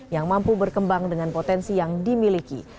yang mampu berkembang dengan potensi yang dimiliki